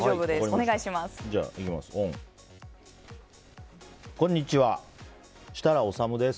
お願いします。